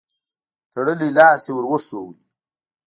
تړلی لاس يې ور وښود.